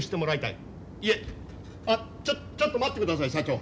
いえあっちょっちょっと待ってください社長。